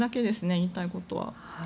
言いたいことは。